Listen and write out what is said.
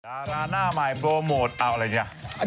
ดาราหน้าใหม่โปรโมทเอาอะไรเนี่ย